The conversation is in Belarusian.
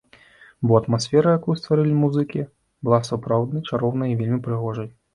Бо атмасфера, якую стварылі музыкі, была сапраўдны чароўнай і вельмі прыгожай.